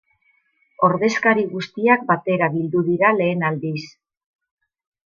Ordezkari guztiak batera bildu dira lehen aldiz.